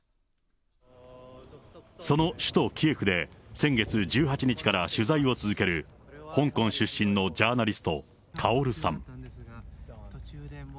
その首都キエフで先月１８日から取材を続ける、香港出身のジャーナリスト、カオルさん。